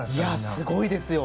すごいですよ。